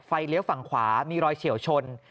เลี้ยวฝั่งขวามีรอยเฉียวชน